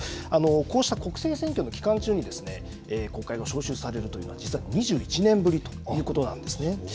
こうした国政選挙の期間中にですね国会が召集されるというのは実は２１年ぶりということなんですね。